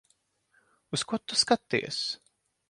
Uz ko tu skaties?